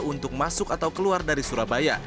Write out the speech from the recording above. untuk masuk atau keluar dari surabaya